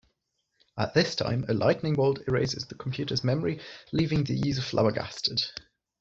At this time, a lightning bolt erases the computer's memory, leaving the user flabbergasted.